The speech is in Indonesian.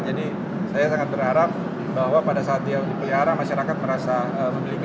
jadi saya sangat berharap bahwa pada saat dipelihara masyarakat merasa memiliki